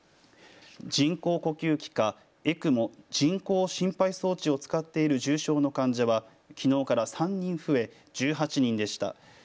人工呼吸器かＥＣＭＯ・人工心肺装置を使っている重症の患者はきのうから３人増え１８人でした。